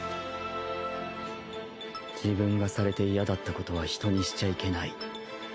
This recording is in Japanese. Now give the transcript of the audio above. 自分がされて嫌だったことは人にしちゃいけない。